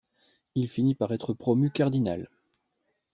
Il finit par être promu Cardinal.